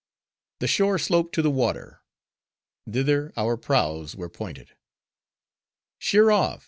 The shore sloped to the water; thither our prows were pointed. "Sheer off!